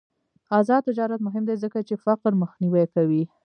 آزاد تجارت مهم دی ځکه چې فقر مخنیوی کوي.